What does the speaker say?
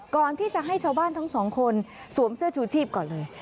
ก่อนที่จะให้ชาวบ้านทั้งสองคนสวมเสื้อชูชีพก่อนเลย